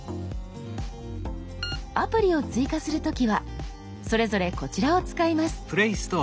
アプリを追加する時はそれぞれこちらを使います。